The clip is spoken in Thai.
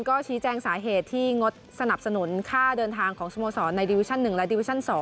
ก็ชี้แจงสาเหตุที่งดสนับสนุนค่าเดินทางของสโมสรในดิวิชั่น๑และดิวิชั่น๒